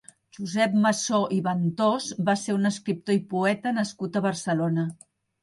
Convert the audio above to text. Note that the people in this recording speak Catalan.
Josep Massó i Ventós va ser un escriptor i poeta nascut a Barcelona.